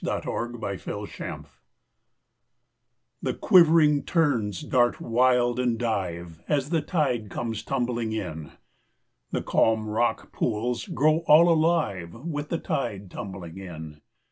AS THE TIDE COMES IN The quivering terns dart wild and dive, As the tide comes tumbling in. The calm rock pools grow all alive, With the tide tumbling in.